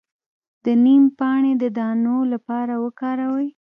د نیم پاڼې د دانو لپاره وکاروئ